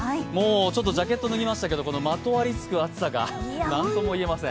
ジャケットを脱げましたけど、まとわりつく暑さがなんとも言えません。